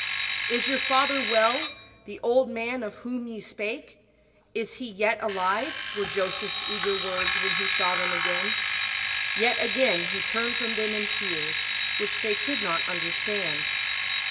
" Is your father well, the old man of whom ye spake ? Is he yet alive ?" were Joseph's eager words when he saw them again. Yet again he turned from them in tears, which they could not understand.